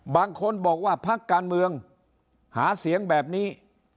บางคนบอกว่าพักการเมืองหาเสียงแบบนี้